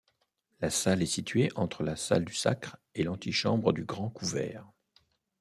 La salle est située entre la Salle du Sacre et l'antichambre du Grand Couvert.